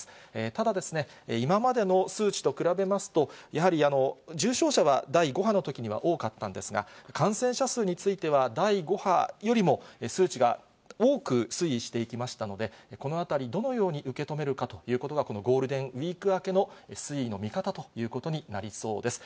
ただ、今までの数値と比べますと、やはり重症者は第５波のときには多かったんですが、感染者数については、第５波よりも数値が多く推移してきましたので、このあたり、どのように受け止めるかということが、このゴールデンウィーク明けの推移の見方ということになりそうです。